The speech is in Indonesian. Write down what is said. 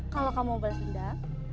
kalau kamu mau balas linda